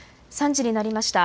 ３時になりました。